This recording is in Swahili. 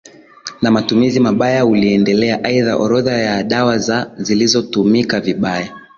na matumizi mabaya uliendelea Aidha orodha ya dawa za zilizotumika vibaya